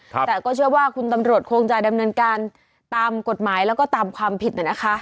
แต่ก็เชื่อว่าคุณตำรวจคงจะดำเนินการตามกฎหมายแล้วก็ตามความผิดน่ะนะคะ